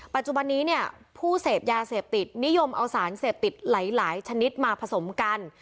ปัจจุบันนี้เนี่ยผู้เสพยาเสพติดนิยมเอาสารเสพติดหลายชนิดมาผสมกัน